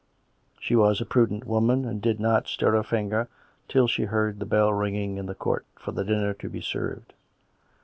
She was a prudent woman, and did not stir a finger till she heard the bell ringing in the court for the dinner to be served.